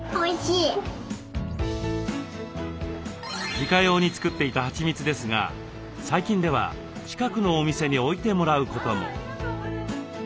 自家用に作っていたはちみつですが最近では近くのお店に置いてもらうことも。